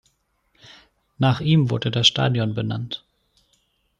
Nach ihm wurde das Stadion benannt.